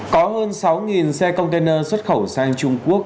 có hơn sáu xe container xuất khẩu sang trung quốc